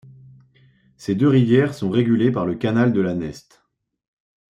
Ces deux rivières sont regulées par le canal de la Neste.